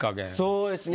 そうですね。